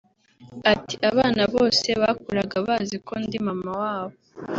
Ati "Abana bose bakuraga bazi ko ndi mama wabo